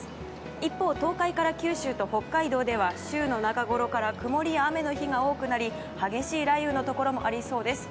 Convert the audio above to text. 一方、東海から九州と北海道では週の中ごろから曇りや雨の日が多くなり激しい雷雨のところもありそうです。